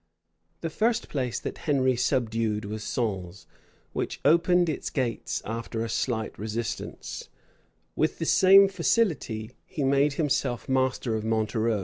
The first place that Henry subdued was Sens, which opened its gates after a slight resistance. With the same facility he made himself master of Montereau.